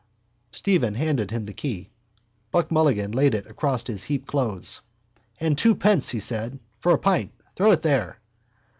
Stephen handed him the key. Buck Mulligan laid it across his heaped clothes. —And twopence, he said, for a pint. Throw it there.